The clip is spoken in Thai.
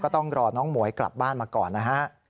ต้องรอน้องหมวยกลับบ้านมาก่อนนะฮะ